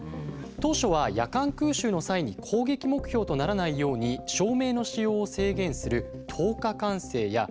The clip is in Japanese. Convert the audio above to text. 当初は夜間空襲の際に攻撃目標とならないように照明の使用を制限する「灯火管制」や。